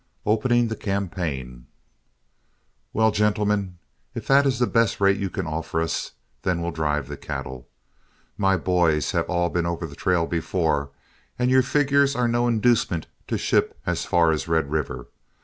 OPENING THE CAMPAIGN "Well, gentlemen, if that is the best rate you can offer us, then we'll drive the cattle. My boys have all been over the trail before, and your figures are no inducement to ship as far as Red River.